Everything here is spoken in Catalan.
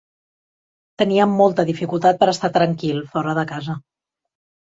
Tenia molta dificultat per estar tranquil fora de casa.